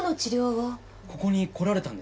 ここに来られたんですか？